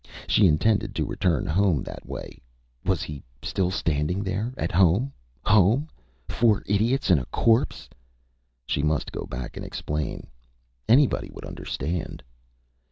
She intended to return home that way. Was he still standing there? At home. Home! Four idiots and a corpse. She must go back and explain. Anybody would understand.